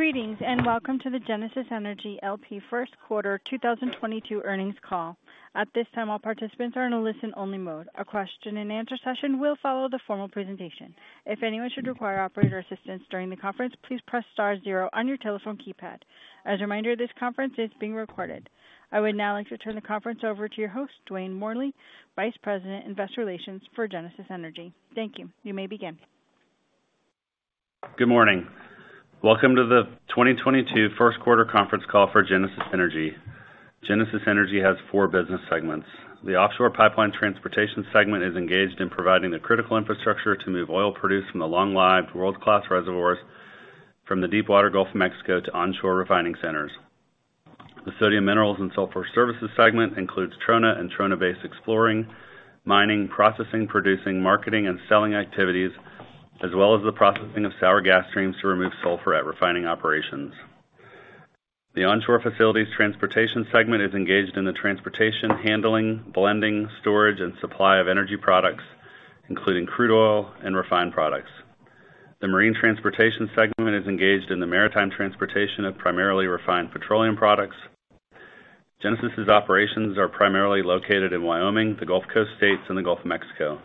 Greetings, and welcome to the Genesis Energy, L.P. Q1 2022 earnings call. At this time, all participants are in a listen-only mode. A question and answer session will follow the formal presentation. If anyone should require operator assistance during the conference, please press star zero on your telephone keypad. As a reminder, this conference is being recorded. I would now like to turn the conference over to your host, Dwayne Morley, Vice President, Investor Relations for Genesis Energy, L.P. Thank you. You may begin. Good morning. Welcome to the 2022 Q1 conference call for Genesis Energy. Genesis Energy has four business segments. The Offshore Pipeline Transportation segment is engaged in providing the critical infrastructure to move oil produced from the long-lived world-class reservoirs from the deepwater Gulf of Mexico to onshore refining centers. The Soda and Sulfur Services segment includes Trona and Trona-based exploration, mining, processing, producing, marketing, and selling activities, as well as the processing of sour gas streams to remove sulfur at refining operations. The Onshore Facilities and Transportation segment is engaged in the transportation, handling, blending, storage, and supply of energy products, including crude oil and refined products. The Marine Transportation segment is engaged in the maritime transportation of primarily refined petroleum products. Genesis' operations are primarily located in Wyoming, the Gulf Coast states, and the Gulf of Mexico.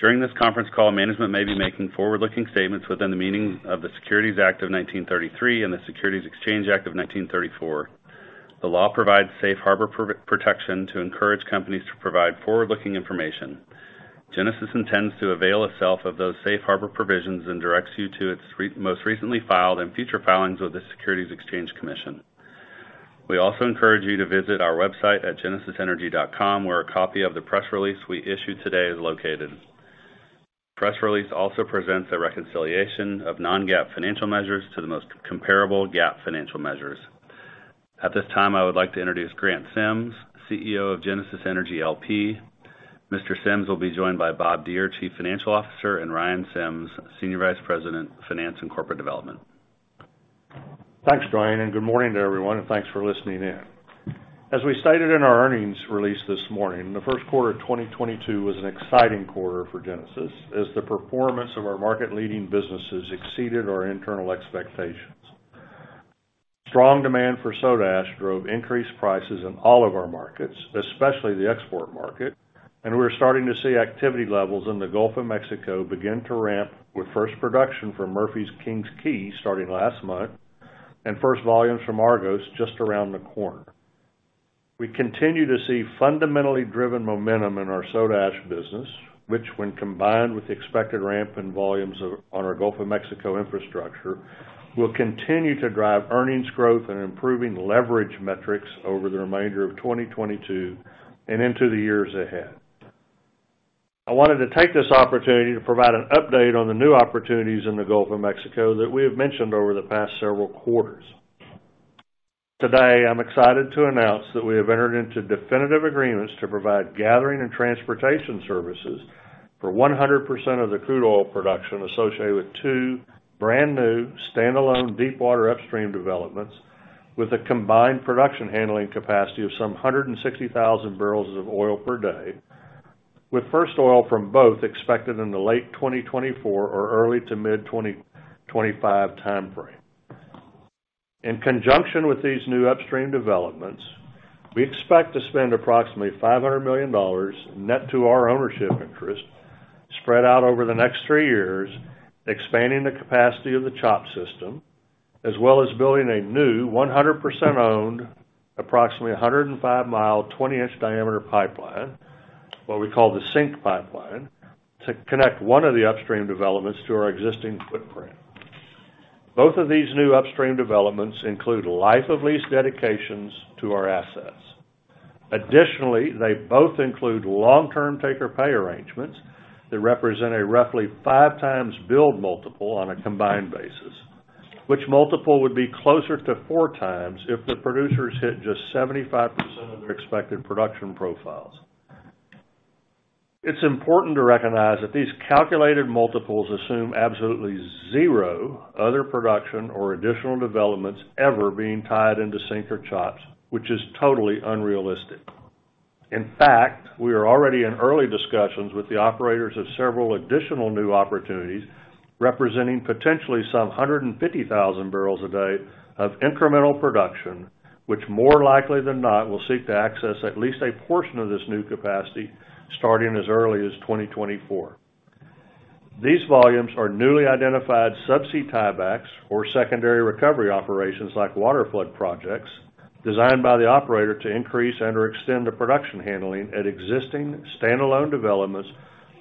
During this conference call, management may be making forward-looking statements within the meaning of the Securities Act of 1933 and the Securities Exchange Act of 1934. The law provides safe harbor protections to encourage companies to provide forward-looking information. Genesis intends to avail itself of those safe harbor provisions and directs you to its most recently filed and future filings with the Securities and Exchange Commission. We also encourage you to visit our website at genesisenergy.com, where a copy of the press release we issued today is located. Press release also presents a reconciliation of non-GAAP financial measures to the most comparable GAAP financial measures. At this time, I would like to introduce Grant Sims, CEO of Genesis Energy, L.P. Mr. Sims will be joined by Bob Deere, Chief Financial Officer, and Ryan Sims, Senior Vice President of Finance and Corporate Development. Thanks, Dwayne, and good morning to everyone, and thanks for listening in. As we stated in our earnings release this morning, the Q1 of 2022 was an exciting quarter for Genesis as the performance of our market-leading businesses exceeded our internal expectations. Strong demand for soda ash drove increased prices in all of our markets, especially the export market, and we're starting to see activity levels in the Gulf of Mexico begin to ramp with first production from Murphy's King's Quay starting last month and first volumes from Argos just around the corner. We continue to see fundamentally driven momentum in our soda ash business, which when combined with the expected ramp in volumes on our Gulf of Mexico infrastructure, will continue to drive earnings growth and improving leverage metrics over the remainder of 2022 and into the years ahead. I wanted to take this opportunity to provide an update on the new opportunities in the Gulf of Mexico that we have mentioned over the past several quarters. Today, I'm excited to announce that we have entered into definitive agreements to provide gathering and transportation services for 100% of the crude oil production associated with two brand-new standalone deepwater upstream developments with a combined production handling capacity of some 160,000 barrels of oil per day, with first oil from both expected in the late 2024 or early to mid-2025 timeframe. In conjunction with these new upstream developments, we expect to spend approximately $500 million net to our ownership interest spread out over the next three years, expanding the capacity of the CHOPS system, as well as building a new 100% owned, approximately 105-mi, 20-inch diameter pipeline, what we call the SYNC pipeline, to connect one of the upstream developments to our existing footprint. Both of these new upstream developments include life of lease dedications to our assets. Additionally, they both include long-term take-or-pay arrangements that represent a roughly 5x build multiple on a combined basis, which multiple would be closer to 4x if the producers hit just 75% of their expected production profiles. It's important to recognize that these calculated multiples assume absolutely zero other production or additional developments ever being tied into SYNC or CHOPS, which is totally unrealistic. In fact, we are already in early discussions with the operators of several additional new opportunities, representing potentially some 150,000 barrels a day of incremental production, which more likely than not will seek to access at least a portion of this new capacity starting as early as 2024. These volumes are newly identified subsea tiebacks or secondary recovery operations like water flood projects designed by the operator to increase and/or extend the production handling at existing standalone developments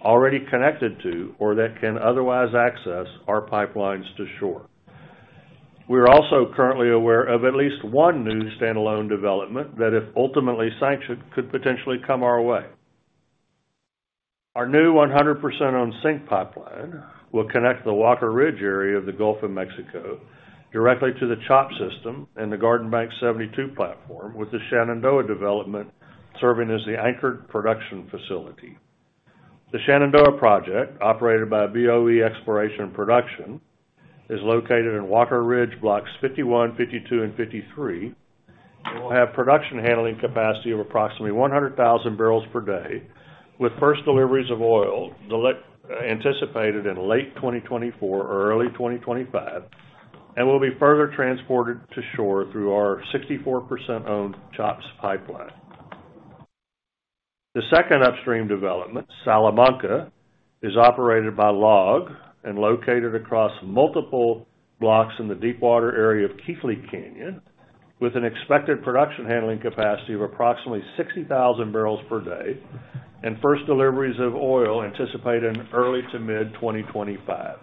already connected to or that can otherwise access our pipelines to shore. We are also currently aware of at least one new standalone development that, if ultimately sanctioned, could potentially come our way. Our new 100% owned SYNC pipeline will connect the Walker Ridge area of the Gulf of Mexico directly to the CHOPS system and the Garden Bank 72 platform, with the Shenandoah development serving as the anchored production facility. The Shenandoah project, operated by Beacon Offshore Energy, is located in Walker Ridge blocks 51, 52, and 53. We'll have production handling capacity of approximately 100,000 barrels per day, with first deliveries of oil anticipated in late 2024 or early 2025, and will be further transported to shore through our 64% owned CHOPS pipeline. The second upstream development, Salamanca, is operated by LLOG Exploration and located across multiple blocks in the Deepwater area of Keathley Canyon, with an expected production handling capacity of approximately 60,000 barrels per day and first deliveries of oil anticipated in early to mid 2025.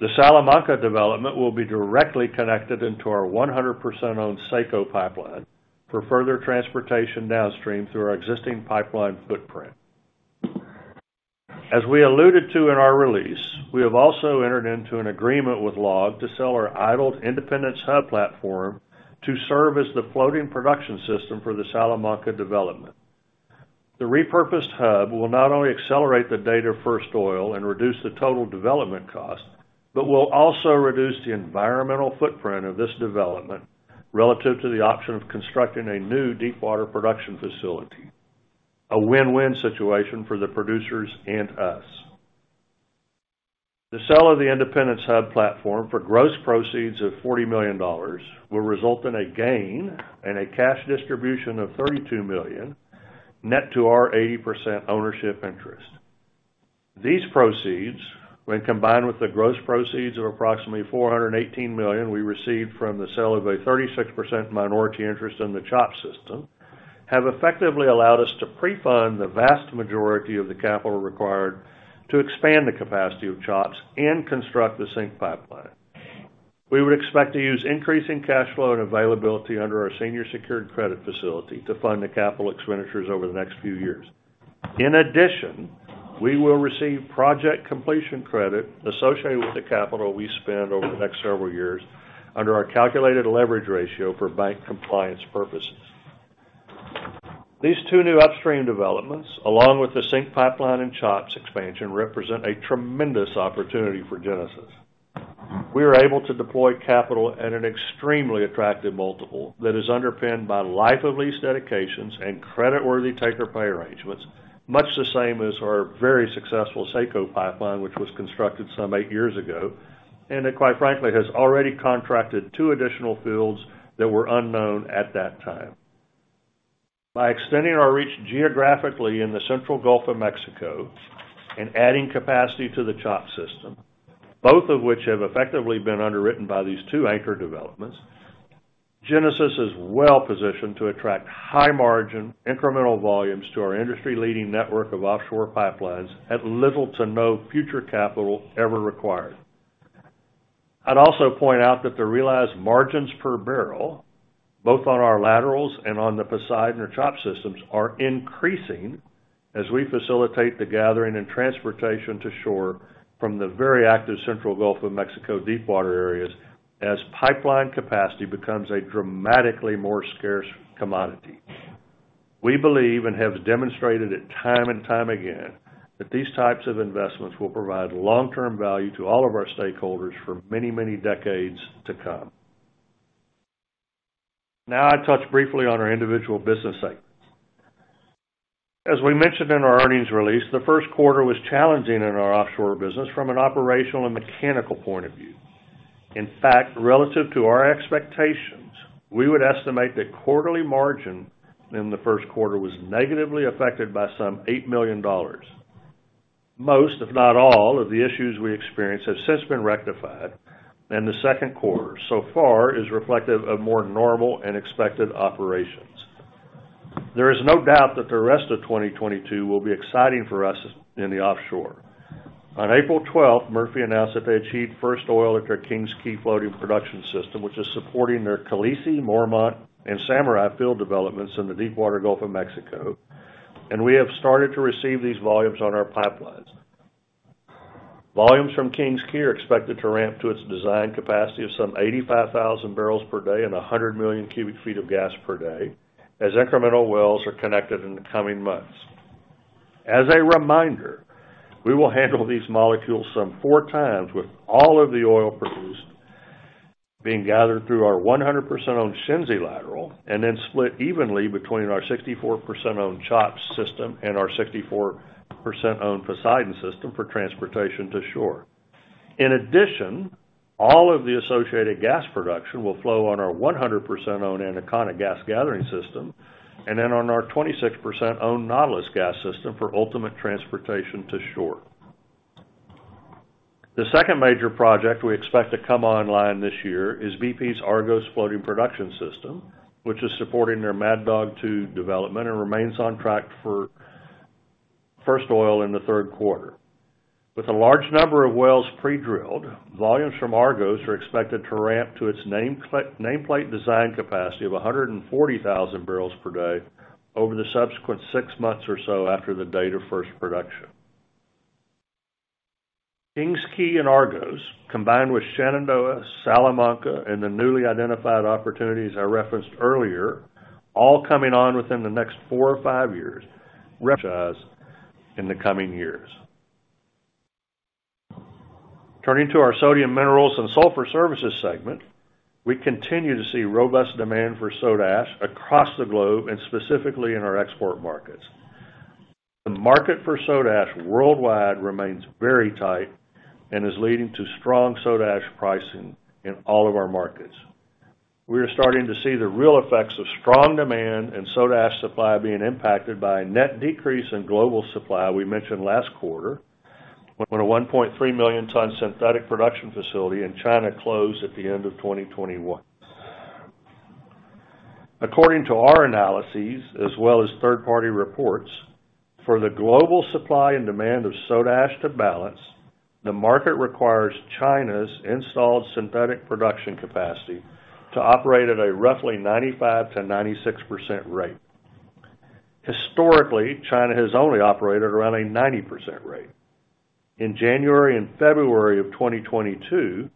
The Salamanca development will be directly connected into our 100% owned SEKCO pipeline for further transportation downstream through our existing pipeline footprint. As we alluded to in our release, we have also entered into an agreement with LLOG to sell our idled Independence Hub platform to serve as the floating production system for the Salamanca development. The repurposed hub will not only accelerate the date of first oil and reduce the total development cost, but will also reduce the environmental footprint of this development relative to the option of constructing a new deepwater production facility. A win-win situation for the producers and us. The sale of the Independence Hub platform for gross proceeds of $40 million will result in a gain and a cash distribution of $32 million, net to our 80% ownership interest. These proceeds, when combined with the gross proceeds of approximately $418 million we received from the sale of a 36% minority interest in the CHOPS system, have effectively allowed us to pre-fund the vast majority of the capital required to expand the capacity of CHOPS and construct the SYNC pipeline. We would expect to use increasing cash flow and availability under our senior secured credit facility to fund the capital expenditures over the next few years. In addition, we will receive project completion credit associated with the capital we spend over the next several years under our calculated leverage ratio for bank compliance purposes. These two new upstream developments, along with the SYNC pipeline and CHOPS expansion, represent a tremendous opportunity for Genesis. We are able to deploy capital at an extremely attractive multiple that is underpinned by life of lease dedications and credit-worthy take or pay arrangements, much the same as our very successful SEKCO pipeline, which was constructed some eight years ago, and it quite frankly, has already contracted two additional fields that were unknown at that time. By extending our reach geographically in the central Gulf of Mexico and adding capacity to the CHOPS system, both of which have effectively been underwritten by these two anchor developments, Genesis is well positioned to attract high margin incremental volumes to our industry-leading network of offshore pipelines at little to no future capital ever required. I'd also point out that the realized margins per barrel, both on our laterals and on the Poseidon or CHOPS systems, are increasing as we facilitate the gathering and transportation to shore from the very active central Gulf of Mexico deepwater areas as pipeline capacity becomes a dramatically more scarce commodity. We believe and have demonstrated it time and time again, that these types of investments will provide long-term value to all of our stakeholders for many, many decades to come. Now I touch briefly on our individual business segments. As we mentioned in our earnings release, the Q1 was challenging in our offshore business from an operational and mechanical point of view. In fact, relative to our expectations, we would estimate that quarterly margin in the Q1 was negatively affected by some $8 million. Most, if not all, of the issues we experienced have since been rectified, and the Q2 so far is reflective of more normal and expected operations. There is no doubt that the rest of 2022 will be exciting for us in the offshore. On April 12th, Murphy announced that they achieved first oil at their King's Quay floating production system, which is supporting their Khaleesi, Mormont, and Samurai field developments in the deepwater Gulf of Mexico, and we have started to receive these volumes on our pipelines. Volumes from King's Quay are expected to ramp to its design capacity of some 85,000 barrels per day and 100 million cubic feet of gas per day as incremental wells are connected in the coming months. As a reminder, we will handle these molecules some 4x, with all of the oil produced being gathered through our 100% owned Shenzi lateral and then split evenly between our 64% owned CHOPS system and our 64% owned Poseidon system for transportation to shore. In addition, all of the associated gas production will flow on our 100% owned Anaconda gas gathering system and then on our 26% owned Nautilus gas system for ultimate transportation to shore. The second major project we expect to come online this year is BP's Argos floating production system, which is supporting their Mad Dog 2 development and remains on track for first oil in the Q3. With a large number of wells pre-drilled, volumes from Argos are expected to ramp to its nameplate design capacity of 140,000 barrels per day over the subsequent six months or so after the date of first production. King's Quay and Argos, combined with Shenandoah, Salamanca, and the newly identified opportunities I referenced earlier, all coming on within the next four or five years, in the coming years. Turning to our Soda and Sulfur Services segment, we continue to see robust demand for soda ash across the globe and specifically in our export markets. The market for soda ash worldwide remains very tight and is leading to strong soda ash pricing in all of our markets. We are starting to see the real effects of strong demand and soda ash supply being impacted by a net decrease in global supply we mentioned last quarter, when a 1.3 million ton synthetic production facility in China closed at the end of 2021. According to our analyses as well as third-party reports, for the global supply and demand of soda ash to balance, the market requires China's installed synthetic production capacity to operate at a roughly 95%-96% rate. Historically, China has only operated around a 90% rate. In January and February of 2022,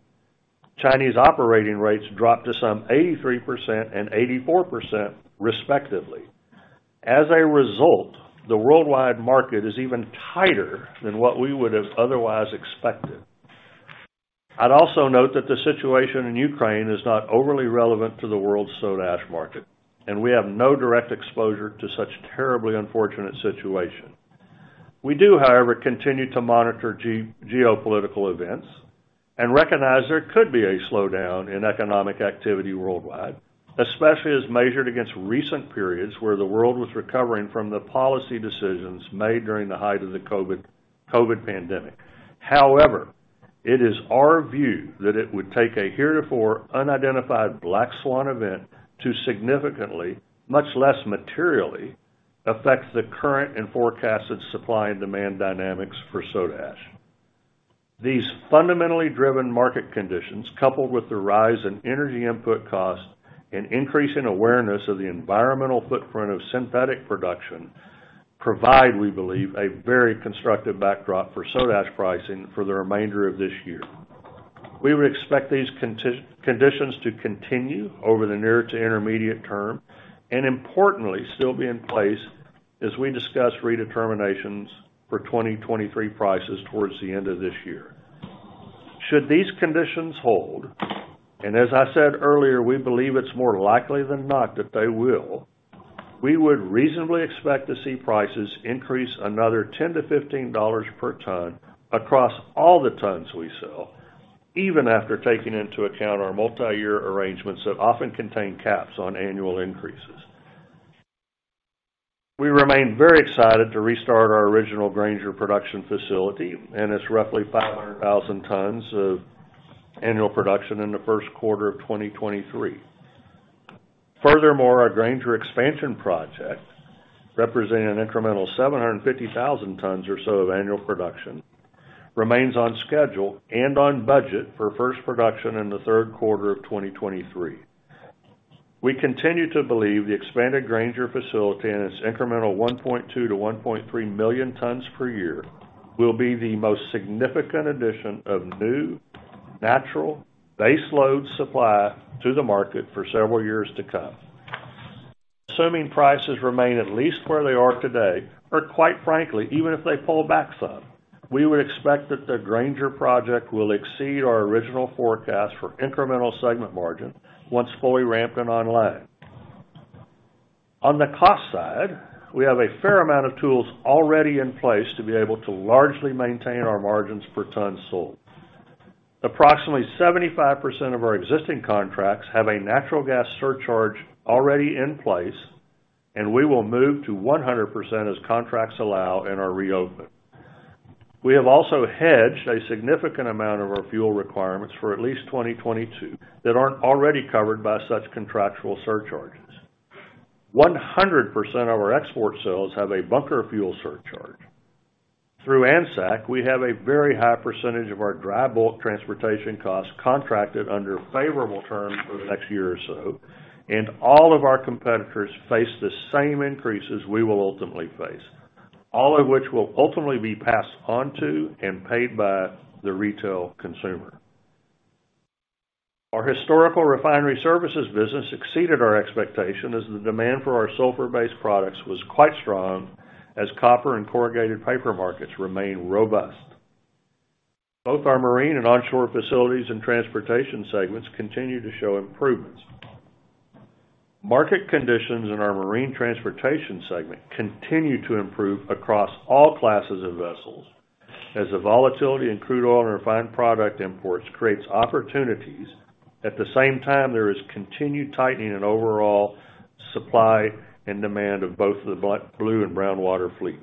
Chinese operating rates dropped to some 83% and 84% respectively. As a result, the worldwide market is even tighter than what we would have otherwise expected. I'd also note that the situation in Ukraine is not overly relevant to the world's soda ash market, and we have no direct exposure to such terribly unfortunate situation. We do, however, continue to monitor geopolitical events and recognize there could be a slowdown in economic activity worldwide, especially as measured against recent periods where the world was recovering from the policy decisions made during the height of the COVID pandemic. However, it is our view that it would take a heretofore unidentified black swan event to significantly, much less materially, affect the current and forecasted supply and demand dynamics for soda ash. These fundamentally driven market conditions, coupled with the rise in energy input costs and increase in awareness of the environmental footprint of synthetic production, provide, we believe, a very constructive backdrop for soda ash pricing for the remainder of this year. We would expect these current conditions to continue over the near to intermediate term, and importantly, still be in place as we discuss redeterminations for 2023 prices towards the end of this year. Should these conditions hold, and as I said earlier, we believe it's more likely than not that they will, we would reasonably expect to see prices increase another $10-$15 per ton across all the tons we sell, even after taking into account our multiyear arrangements that often contain caps on annual increases. We remain very excited to restart our original Granger production facility and its roughly 500,000 tons of annual production in the Q1 of 2023. Furthermore, our Granger expansion project, representing an incremental 750,000 tons or so of annual production, remains on schedule and on budget for first production in the Q3 of 2023. We continue to believe the expanded Granger facility and its incremental 1.2 million-1.3 million tons per year will be the most significant addition of new, natural baseload supply to the market for several years to come. Assuming prices remain at least where they are today, or quite frankly, even if they pull back some, we would expect that the Granger project will exceed our original forecast for incremental segment margin once fully ramped and online. On the cost side, we have a fair amount of tools already in place to be able to largely maintain our margins per ton sold. Approximately 75% of our existing contracts have a natural gas surcharge already in place, and we will move to 100% as contracts allow and are reopened. We have also hedged a significant amount of our fuel requirements for at least 2022 that aren't already covered by such contractual surcharges. 100% of our export sales have a bunker fuel surcharge. Through ANSAC, we have a very high percentage of our dry bulk transportation costs contracted under favorable terms for the next year or so, and all of our competitors face the same increases we will ultimately face, all of which will ultimately be passed on to and paid by the retail consumer. Our historical refinery services business exceeded our expectation as the demand for our sulfur-based products was quite strong as copper and corrugated paper markets remain robust. Both our Marine Transportation and Onshore Facilities and Transportation segments continue to show improvements. Market conditions in our Marine Transportation segment continue to improve across all classes of vessels as the volatility in crude oil and refined product imports creates opportunities. At the same time, there is continued tightening in overall supply and demand of both the blue and brown water fleets.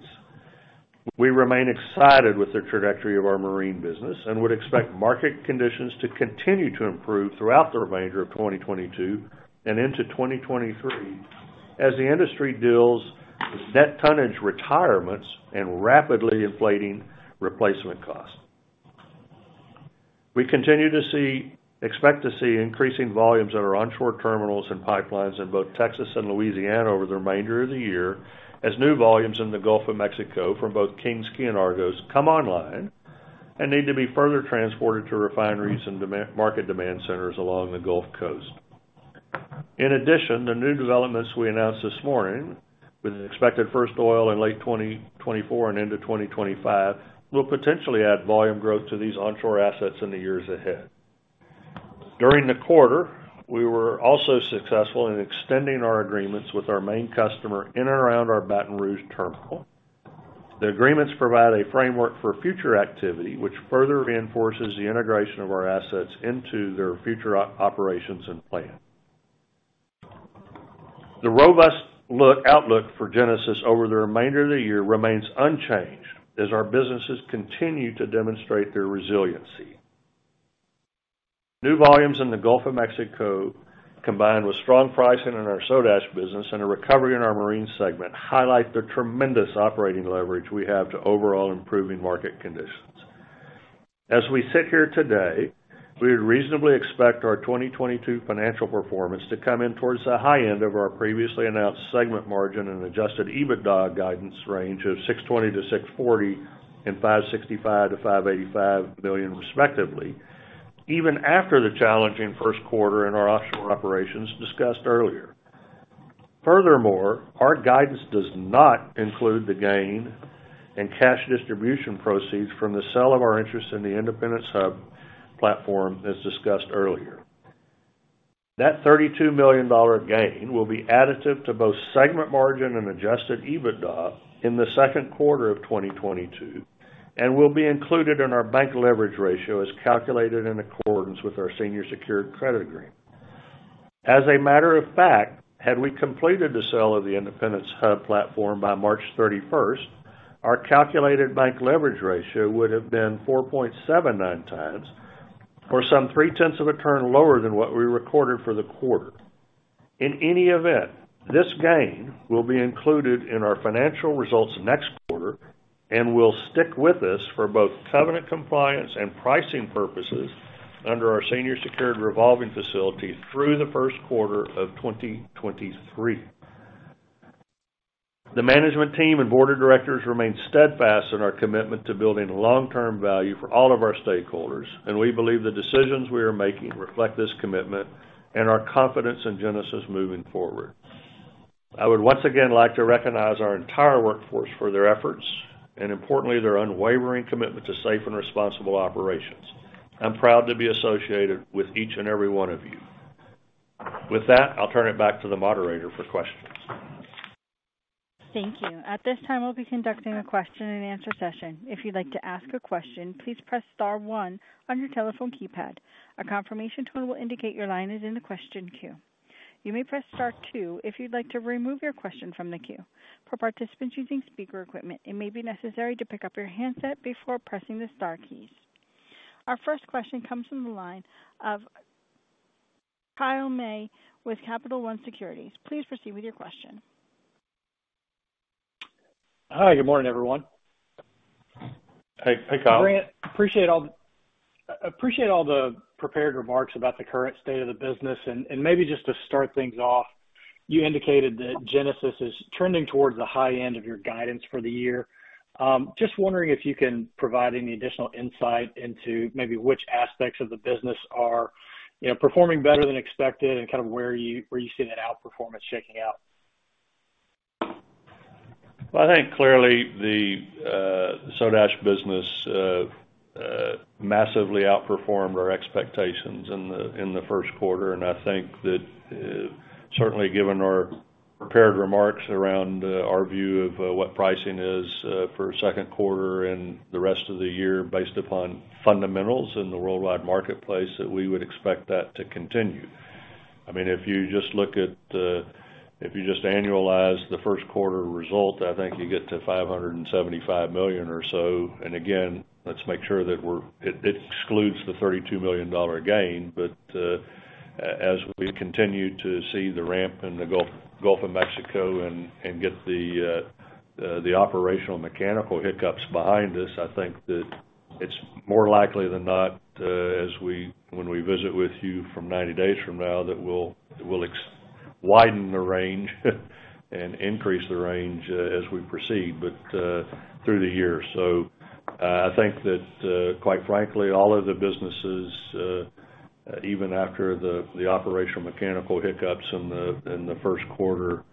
We remain excited with the trajectory of our marine business and would expect market conditions to continue to improve throughout the remainder of 2022 and into 2023 as the industry deals with net tonnage retirements and rapidly inflating replacement costs. We continue to expect to see increasing volumes at our onshore terminals and pipelines in both Texas and Louisiana over the remainder of the year as new volumes in the Gulf of Mexico from both Kings Canyon Argos come online and need to be further transported to refineries and market demand centers along the Gulf Coast. In addition, the new developments we announced this morning, with expected first oil in late 2024 and into 2025, will potentially add volume growth to these onshore assets in the years ahead. During the quarter, we were also successful in extending our agreements with our main customer in and around our Baton Rouge terminal. The agreements provide a framework for future activity, which further reinforces the integration of our assets into their future operations and plan. The robust outlook for Genesis over the remainder of the year remains unchanged as our businesses continue to demonstrate their resiliency. New volumes in the Gulf of Mexico, combined with strong pricing in our soda ash business and a recovery in our marine segment, highlight the tremendous operating leverage we have to overall improving market conditions. As we sit here today, we would reasonably expect our 2022 financial performance to come in towards the high end of our previously announced segment margin and adjusted EBITDA guidance range of $620 million-$640 million and $565-$585 million respectively, even after the challenging Q1 in our offshore operations discussed earlier. Furthermore, our guidance does not include the gain and cash distribution proceeds from the sale of our interest in the IndependenceHub platform, as discussed earlier. That $32 million gain will be additive to both segment margin and adjusted EBITDA in the Q2 of 2022, and will be included in our bank leverage ratio as calculated in accordance with our senior secured credit agreement. As a matter of fact, had we completed the sale of the IndependenceHub platform by March 31, our calculated bank leverage ratio would have been 4.79x, or some 0.3 of a turn lower than what we recorded for the quarter. In any event, this gain will be included in our financial results next quarter, and will stick with us for both covenant compliance and pricing purposes under our senior secured revolving facility through the Q1 of 2023. The management team and board of directors remain steadfast in our commitment to building long-term value for all of our stakeholders, and we believe the decisions we are making reflect this commitment and our confidence in Genesis moving forward. I would once again like to recognize our entire workforce for their efforts and importantly, their unwavering commitment to safe and responsible operations. I'm proud to be associated with each and every one of you. With that, I'll turn it back to the moderator for questions. Thank you. At this time, we'll be conducting a question and answer session. If you'd like to ask a question, please press star one on your telephone keypad. A confirmation tone will indicate your line is in the question queue. You may press star two if you'd like to remove your question from the queue. For participants using speaker equipment, it may be necessary to pick up your handset before pressing the star keys. Our first question comes from the line of Kyle May with Capital One Securities. Please proceed with your question. Hi, good morning, everyone. Hey. Hey, Kyle. Grant, appreciate all the prepared remarks about the current state of the business. Maybe just to start things off, you indicated that Genesis is trending towards the high end of your guidance for the year. Just wondering if you can provide any additional insight into maybe which aspects of the business are, you know, performing better than expected and kind of where you see that outperformance shaking out. Well, I think clearly the soda ash business massively outperformed our expectations in the Q1. I think that certainly given our prepared remarks around our view of what pricing is for Q2 and the rest of the year based upon fundamentals in the worldwide marketplace, that we would expect that to continue. I mean, if you just look at if you just annualize the Q1 result, I think you get to $575 million or so. Again, let's make sure that we're. It excludes the $32 million gain. As we continue to see the ramp in the Gulf of Mexico and get the operational mechanical hiccups behind us, I think that it's more likely than not, when we visit with you from 90 days from now, that we'll widen the range and increase the range, as we proceed, but through the year. I think that, quite frankly, all of the businesses, even after the operational mechanical hiccups in the Q1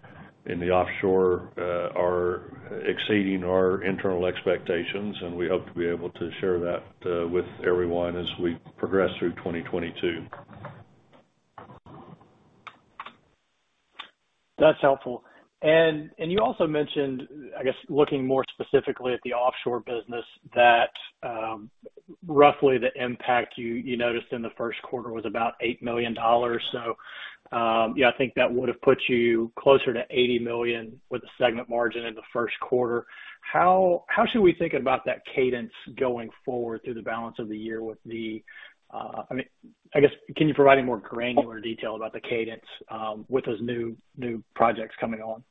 in the offshore, are exceeding our internal expectations, and we hope to be able to share that with everyone as we progress through 2022. That's helpful. You also mentioned, I guess, looking more specifically at the offshore business, that roughly the impact you noticed in the Q1 was about $8 million. Yeah, I think that would have put you closer to $80 million with the segment margin in the Q1. How should we think about that cadence going forward through the balance of the year. I mean, I guess, can you provide any more granular detail about the cadence with those new projects coming on?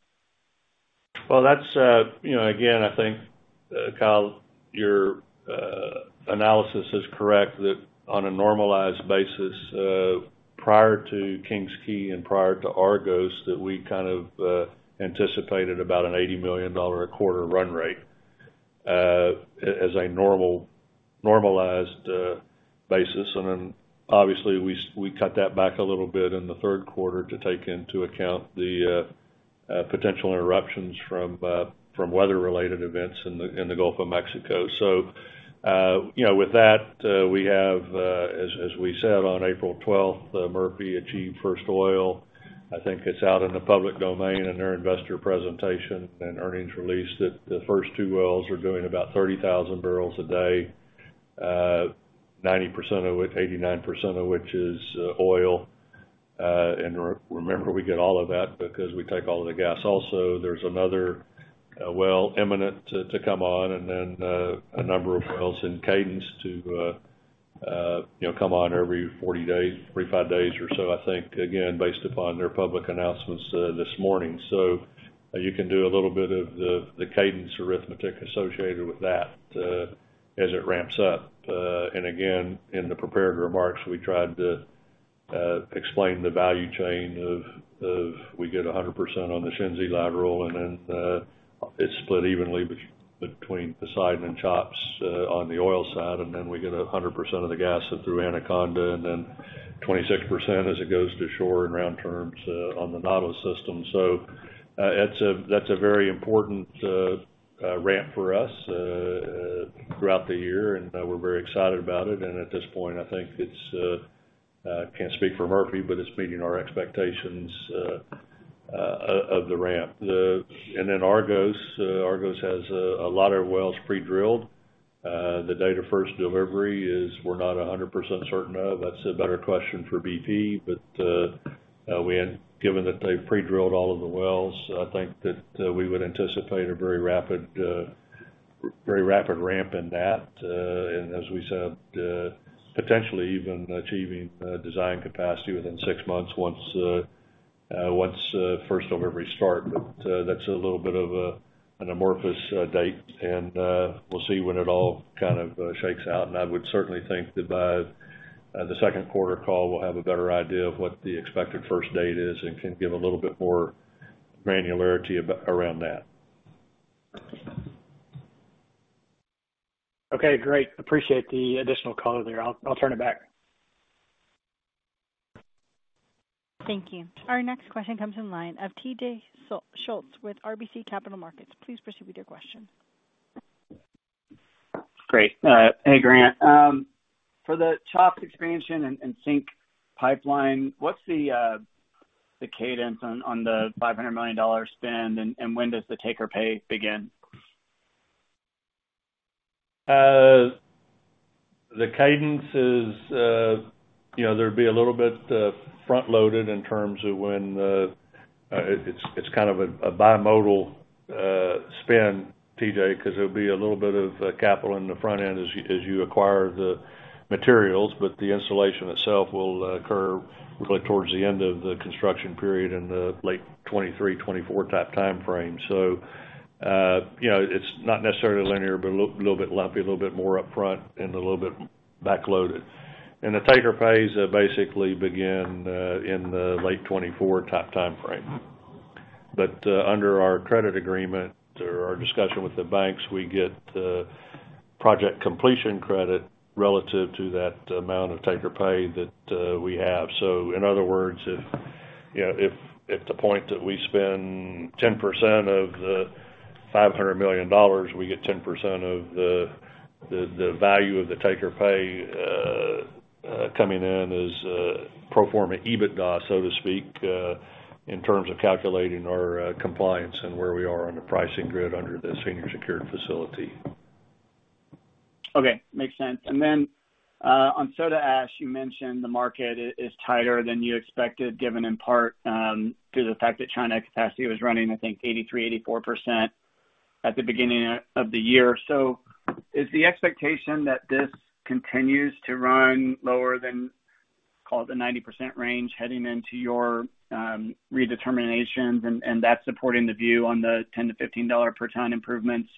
Well, that's, you know, again, I think, Kyle, your analysis is correct that on a normalized basis, prior to King's Quay and prior to Argos, that we kind of anticipated about an $80 million a quarter run rate as a normalized basis. Obviously, we cut that back a little bit in the Q3 to take into account the potential interruptions from weather-related events in the Gulf of Mexico. You know, with that, we have, as we said on April twelfth, Murphy achieved first oil. I think it's out in the public domain in their investor presentation and earnings release that the first two wells are doing about 30,000 barrels a day, 90% of which, 89% of which is oil. Remember, we get all of that because we take all of the gas also. There's another well imminent to come on and then a number of wells in cadence to you know come on every 40 days, 45 days or so, I think, again, based upon their public announcements this morning. You can do a little bit of the cadence arithmetic associated with that as it ramps up. In the prepared remarks, we tried to explain the value chain of we get 100% on the Shenzi lateral, and then it's split evenly between Poseidon and CHOPS on the oil side, and then we get 100% of the gas through Anaconda and then 26% as it goes to shore in round terms on the Nautilus system. That's a very important ramp for us throughout the year, and we're very excited about it. At this point, I think it's meeting our expectations of the ramp. Argos has a lot of wells pre-drilled. The date of first delivery is we're not 100% certain of. That's a better question for BP. Given that they've pre-drilled all of the wells, I think that we would anticipate a very rapid ramp in that, and as we said, potentially even achieving design capacity within six months once first deliveries start. That's a little bit of an amorphous date, and we'll see when it all kind of shakes out. I would certainly think that by the Q2 call, we'll have a better idea of what the expected first date is and can give a little bit more granularity around that. Okay, great. Appreciate the additional color there. I'll turn it back. Thank you. Our next question comes from the line of TJ Schultz with RBC Capital Markets. Please proceed with your question. Great. Hey, Grant. For the CHOPS expansion and SYNC pipeline, what's the cadence on the $500 million spend, and when does the take or pay begin? The cadence is, you know, there'd be a little bit front-loaded in terms of when. It's kind of a bimodal spend, TJ, cause it'll be a little bit of capital in the front end as you acquire the materials, but the installation itself will occur probably towards the end of the construction period in the late 2023, 2024 type timeframe. You know, it's not necessarily linear, but a little bit lumpy, a little bit more upfront, and a little bit backloaded. The take or pays basically begin in the late 2024 type timeframe. Under our credit agreement or our discussion with the banks, we get project completion credit relative to that amount of take or pay that we have. In other words, if the point that we spend 10% of the $500 million, we get 10% of the value of the take or pay coming in as pro forma EBITDA, so to speak, in terms of calculating our compliance and where we are on the pricing grid under the senior secured facility. Okay. Makes sense. On soda ash, you mentioned the market is tighter than you expected, given in part due to the fact that China capacity was running, I think, 83%-84% at the beginning of the year. Is the expectation that this continues to run lower than, call it the 90% range, heading into your redeterminations, and that's supporting the view on the $10-$15 per ton improvements?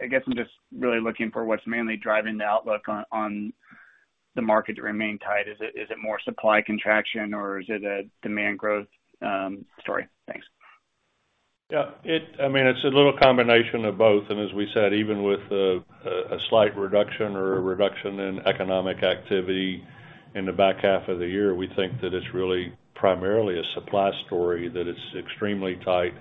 I guess I'm just really looking for what's mainly driving the outlook on the market to remain tight. Is it more supply contraction, or is it a demand growth story? Thanks. I mean, it's a little combination of both. As we said, even with a slight reduction or a reduction in economic activity in the back half of the year, we think that it's really primarily a supply story, that it's extremely tight.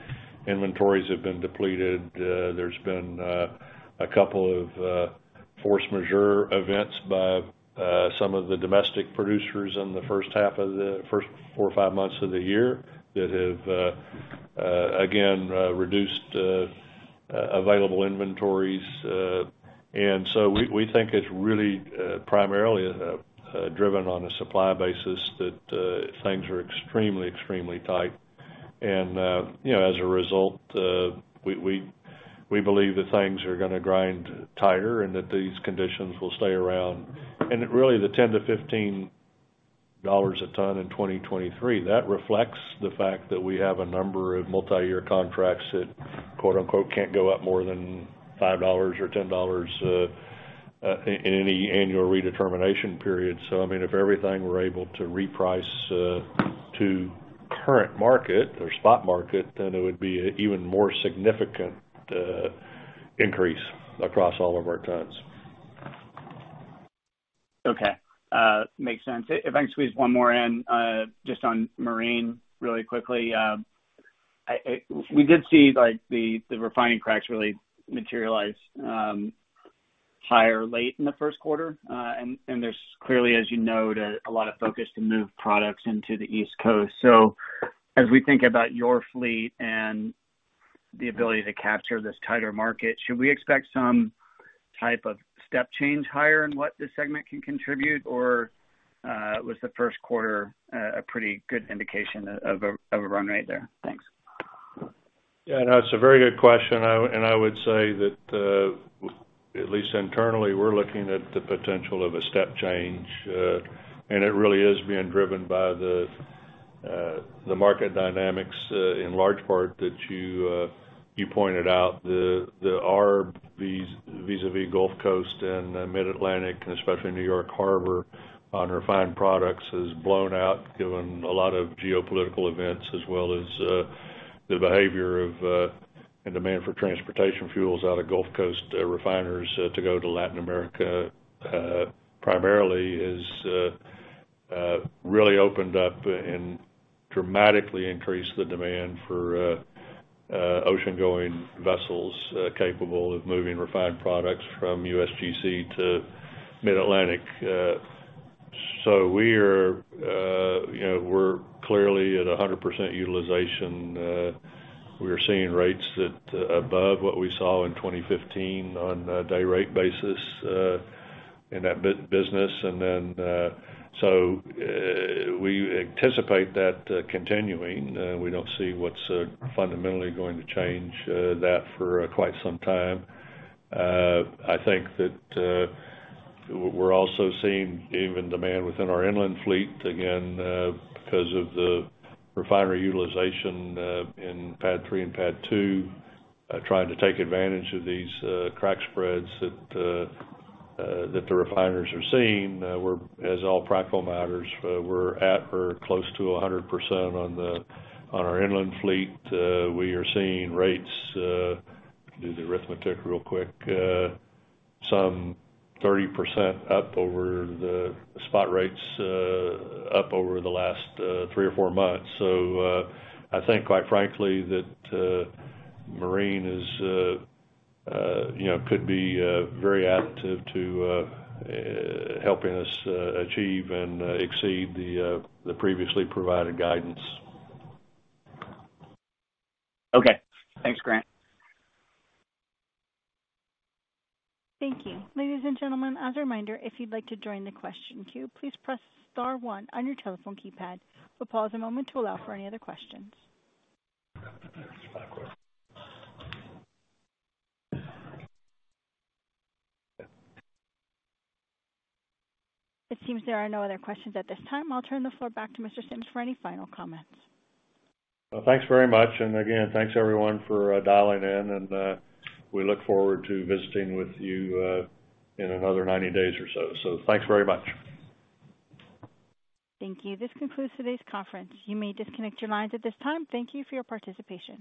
Inventories have been depleted. There's been a couple of force majeure events by some of the domestic producers in the first four or five months of the year that have again reduced available inventories. We think it's really primarily driven on a supply basis that things are extremely tight. You know, as a result, we believe that things are gonna grind tighter and that these conditions will stay around. Really, the $10-$15 a ton in 2023, that reflects the fact that we have a number of multiyear contracts that, quote-unquote, "can't go up more than $5 or $10," in any annual redetermination period. I mean, if everything we're able to reprice to current market or spot market, then it would be an even more significant increase across all of our tons. Okay. Makes sense. If I can squeeze one more in, just on marine really quickly. We did see like the refining cracks really materialize higher late in the Q1. There's clearly, as you know, a lot of focus to move products into the East Coast. As we think about your fleet and the ability to capture this tighter market, should we expect some type of step change higher in what this segment can contribute? Or was the Q1 a pretty good indication of a run rate there? Thanks. Yeah, no, it's a very good question. I would say that, at least internally, we're looking at the potential of a step change. It really is being driven by the market dynamics, in large part that you pointed out. The ARB vis-a-vis Gulf Coast and Mid-Atlantic, and especially New York Harbor on refined products, has blown out given a lot of geopolitical events as well as the behavior and demand for transportation fuels out of Gulf Coast refiners to go to Latin America, primarily has really opened up and dramatically increased the demand for ocean-going vessels capable of moving refined products from USGC to Mid-Atlantic. You know, we're clearly at 100% utilization. We are seeing rates that are above what we saw in 2015 on a day rate basis in that business. We anticipate that continuing. We don't see what's fundamentally going to change that for quite some time. I think that we're also seeing even demand within our inland fleet again because of the refinery utilization in PADD 3 and PADD 2, trying to take advantage of these crack spreads that the refiners are seeing. We're, for all practical purposes, at or close to 100% on our inland fleet. We are seeing rates. Do the arithmetic real quick, some 30% up over the spot rates, up over the last three or four months. I think quite frankly that Marine is, you know, could be very additive to helping us achieve and exceed the previously provided guidance. Okay. Thanks, Grant. Thank you. Ladies and gentlemen, as a reminder, if you'd like to join the question queue, please press star one on your telephone keypad. We'll pause a moment to allow for any other questions. It seems there are no other questions at this time. I'll turn the floor back to Mr. Sims for any final comments. Well, thanks very much. Again, thanks, everyone, for dialing in, and we look forward to visiting with you in another 90 days or so. Thanks very much. Thank you. This concludes today's conference. You may disconnect your lines at this time. Thank you for your participation.